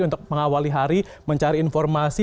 untuk mengawali hari mencari informasi